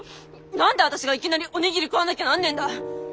何で私がいきなりおにぎり食わなきゃなんねえんだ。